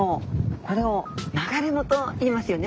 これを流れ藻といいますよね